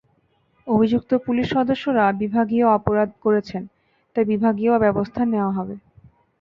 অভিযুক্ত পুলিশ সদস্যরা বিভাগীয় অপরাধ করেছেন, তাই বিভাগীয় ব্যবস্থা নেওয়া হবে।